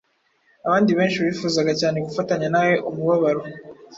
Abandi benshi bifuzaga cyane gufatanya na we umubabaro